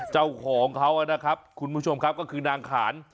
เจ้าของเขานะครับคุณผู้ชมครับก็คือนางขาน